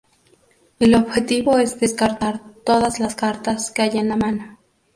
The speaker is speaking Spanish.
El objetivo es descartar todas las cartas que hay en la mano.